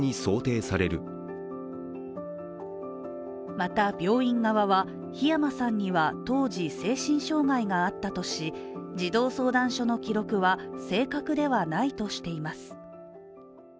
また病院側は、火山さんには当時精神障害があったとし児童相談所の記録は正確ではないとしています。